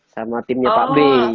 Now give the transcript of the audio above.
sama timnya pak b